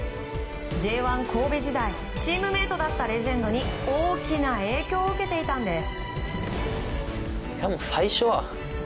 Ｊ１神戸時代チームメートだったレジェンドに大きな影響を受けていたんです。